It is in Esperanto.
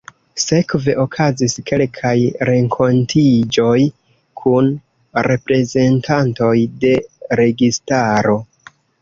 Sekve okazis kelkaj renkontiĝoj kun reprezentantoj de registaro.